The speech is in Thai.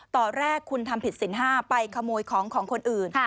ตอนแรกคุณทำผิดสินห้าไปขโมยของของคนอื่น